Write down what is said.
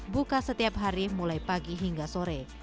buka setiap hari mulai pagi hingga sore